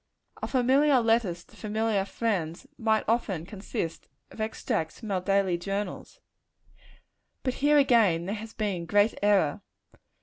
Our familiar letters to familiar friends, might often consist of extracts from our daily journals. But here, again, there has been great error.